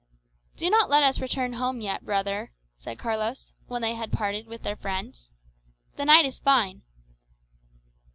[#] See Exodus xxx 6. "Do not let us return home yet, brother," said Carlos, when they had parted with their friends. "The night is fine."